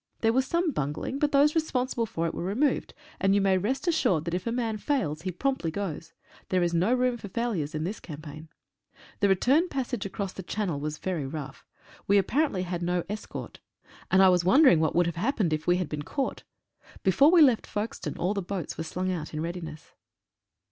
There was some bungling, but those responsible for it were re moved, and you may rest assured that if a man fails he promptly goes. There is no room for failures in this campaign. The return passage across the Channel was very rough. We apparently had no escort, and I was 53 SANITARY PRECAUTIONS. wondering what would have happened if we had been caught. Before we left Folkestone all the boats were slung out in readiness.